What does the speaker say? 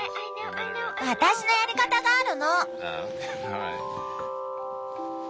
私のやり方があるの。